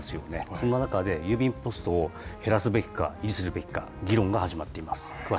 そんな中で郵便ポストを減らすべきか、維持するべきか、議論が始まっています。